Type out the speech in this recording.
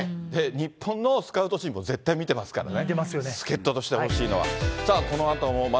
日本のスカウト陣も絶対見てますからね。